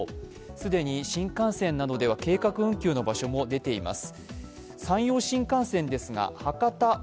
既に新幹線などでは計画運休の場所も出ています。